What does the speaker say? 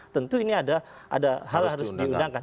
tentu ini ada hal yang harus diundangkan